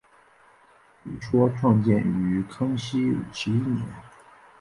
一说创建于康熙五十一年。